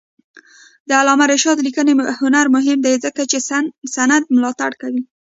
د علامه رشاد لیکنی هنر مهم دی ځکه چې سند ملاتړ کوي.